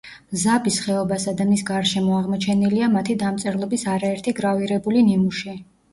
მზაბის ხეობასა და მის გარშემო აღმოჩენილია მათი დამწერლობის არაერთი გრავირებული ნიმუში.